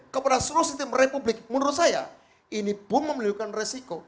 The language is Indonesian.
kepada seluruh sistem republik menurut saya ini pun memiliki resiko